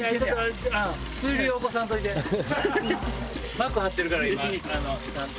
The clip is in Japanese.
膜張ってるから今ちゃんと。